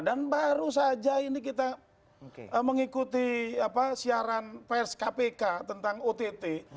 dan baru saja ini kita mengikuti siaran pers kpk tentang ott